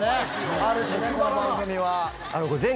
ある種この番組は。